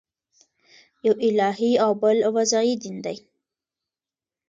یو الهي او بل وضعي دین دئ.